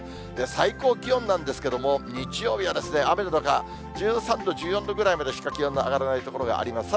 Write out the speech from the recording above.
最高気温なんですけれども、日曜日は、雨の中、１３度、１４度ぐらいまでしか気温の上がらない所があります。